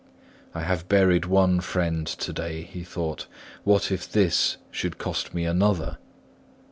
"I have buried one friend to day," he thought: "what if this should cost me another?"